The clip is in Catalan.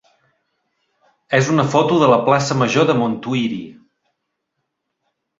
és una foto de la plaça major de Montuïri.